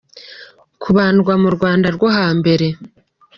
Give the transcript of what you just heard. Kubandwa mu Rwanda rwo ha mbere.